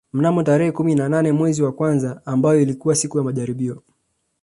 Mnamo tarehe kumi na nane mwezi wa kwanza mbayo ilikuwa siku ya majaribio